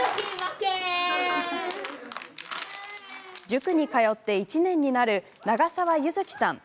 塾に通って１年になる長澤柚希さん。